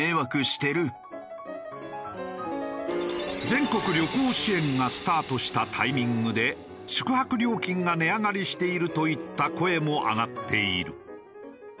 全国旅行支援がスタートしたタイミングで宿泊料金が値上がりしているといった声も上がっている。